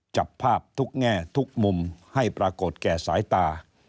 จับภาพทุกแง่ทุกมุมให้ปรากฏแก่สายตา